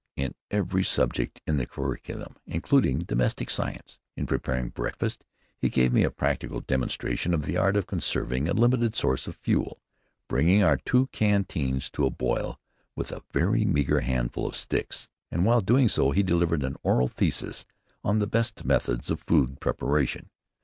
in every subject in the curriculum, including domestic science. In preparing breakfast he gave me a practical demonstration of the art of conserving a limited resource of fuel, bringing our two canteens to a boil with a very meager handful of sticks; and while doing so he delivered an oral thesis on the best methods of food preparation.